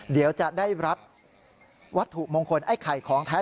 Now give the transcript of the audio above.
เดี๋ยวจะได้รับวัตถุมงคลไอ้ไข่ของแท้